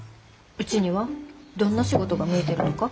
うちにはどんな仕事が向いてるのか。